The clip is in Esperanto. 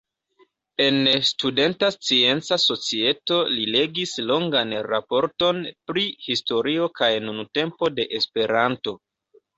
En Studenta Scienca Societo li legis longan raporton pri "historio kaj nuntempo de Esperanto".